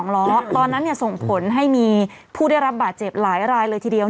ล้อตอนนั้นส่งผลให้มีผู้ได้รับบาดเจ็บหลายรายเลยทีเดียว